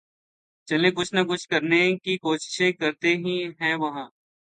چلیں کچھ نہ کچھ کرنیں کی کیںشش کرتیں ہیں وہاں